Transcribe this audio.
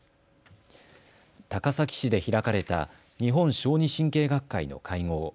高崎市で開かれた日本小児神経学会の会合。